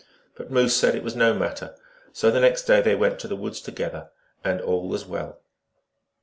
But Moose said it wa^ no matter, so the next day they went to the woods together, and all was well.